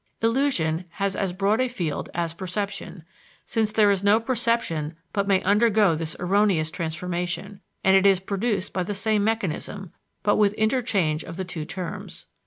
Illusion has as broad a field as perception, since there is no perception but may undergo this erroneous transformation, and it is produced by the same mechanism, but with interchange of the two terms.